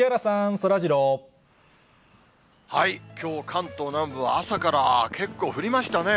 関東南部は朝から結構降りましたね。